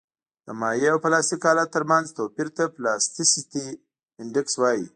د مایع او پلاستیک حالت ترمنځ توپیر ته پلاستیسیتي انډیکس وایي